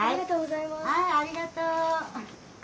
はいありがとう。